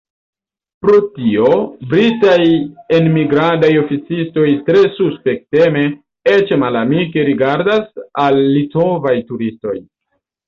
Pro tio britaj enmigradaj oficistoj tre suspekteme, eĉ malamike, rigardas al litovaj turistoj.